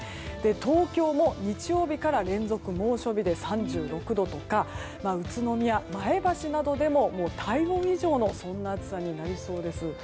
東京も日曜日から連続猛暑日で３６度とか宇都宮、前橋などでも体温以上の暑さになりそうです。